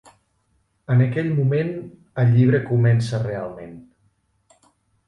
En aquell moment, el llibre comença realment.